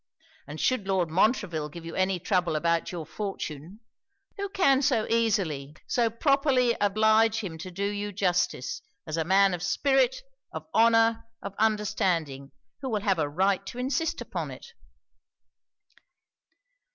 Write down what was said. And should Lord Montreville give you any trouble about your fortune, who can so easily, so properly oblige him to do you justice, as a man of spirit, of honour, of understanding, who will have a right to insist upon it.'